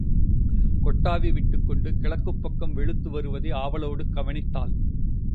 கொட்டாவி விட்டுக்கொண்டு கிழக்குப் பக்கம் வெளுத்து வருவதை ஆவலோடு கவனித்தாள்.